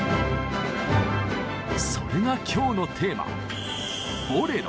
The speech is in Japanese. それが今日のテーマ